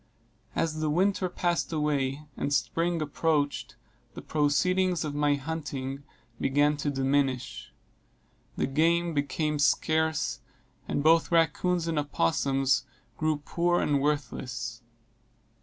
As the winter passed away and spring approached, the proceeds of my hunting began to diminish. The game became scarce, and both rackoons and opossums grew poor and worthless.